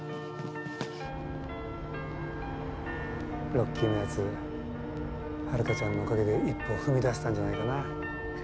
ロッキーのやつハルカちゃんのおかげで一歩踏み出せたんじゃないかな。